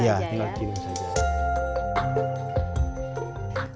iya tinggal dikirim saja